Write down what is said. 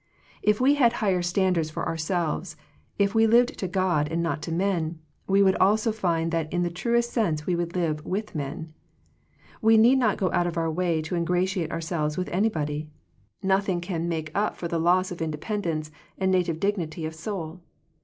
If we had higher standards for our selves, if we lived to God and not to men, we would also find that in the truest sense we would live with men. We need not go out of our way to ingra tiate ourselves with anybody. Nothing can make up for the loss of independence and native dignity of soul.